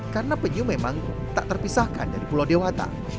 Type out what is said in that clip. karena penyu memang tak terpisahkan dari pulau dewata